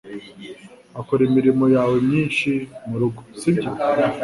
Ukora imirimo yawe myinshi murugo, sibyo?